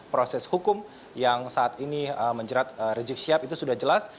proses hukum yang saat ini menjerat rizik syihab itu sudah jelas